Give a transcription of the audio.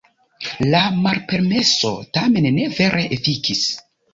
La malpermeso tamen ne vere efikis.